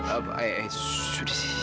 eh eh eh sudah sih